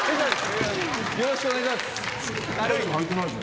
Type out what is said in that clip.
よろしくお願いします。